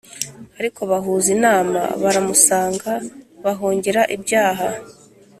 Ariko bahuza inama baramusanga bahongera ibyaha